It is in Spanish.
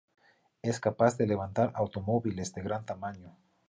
Es capaz de levantar automóviles de gran tamaño.